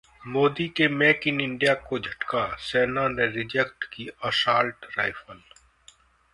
मोदी के 'make in India' को झटका, सेना ने रिजेक्ट की 'असॉल्ट राइफल'